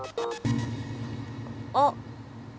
あっ！